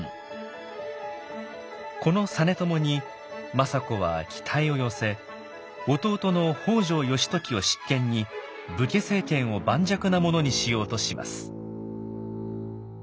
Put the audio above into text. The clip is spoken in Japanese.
この実朝に政子は期待を寄せ弟の北条義時を執権に武家政権を盤石なものにしようとします。